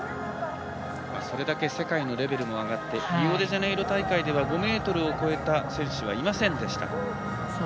それだけ世界のレベルも上がってリオデジャネイロ大会では５ｍを超えた選手はいませんでした。